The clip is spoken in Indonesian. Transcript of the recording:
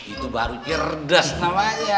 itu baru cerdas namanya